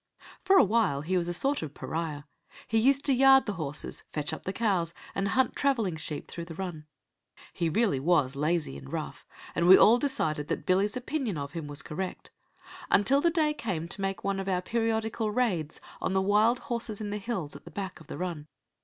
For a while he was a sort of pariah. He used to yard the horses, fetch up the cows, and hunt travelling sheep through the run. He really was lazy and rough, and we all decided that Billy's opinion of him was correct, until the day came to make one of our periodical raids on the wild horses in the hills at the back of the run.